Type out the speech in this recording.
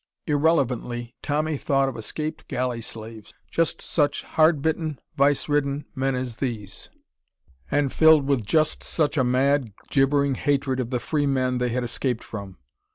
Irrelevantly, Tommy thought of escaped galley slaves. Just such hard bitten, vice ridden men as these, and filled with just such a mad, gibbering hatred of the free men they had escaped from.